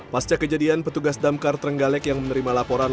pasca kejadian petugas damkar trenggalek yang menerima laporan